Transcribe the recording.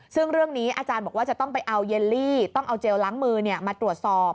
ซึ่งเรื่องนี้อาจารย์บอกว่าจะต้องไปเอาเยลลี่ต้องเอาเจลล้างมือมาตรวจสอบ